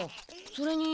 それに。